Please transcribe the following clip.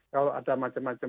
kalau ada macam macam